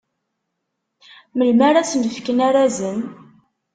Melmi ara sen-fken arazen?